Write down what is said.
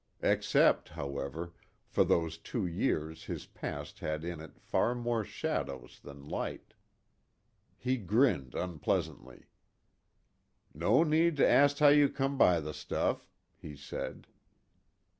Except, however, for those two years his past had in it far more shadows than light. He grinned unpleasantly. "No need to ast how you came by the stuff," he said.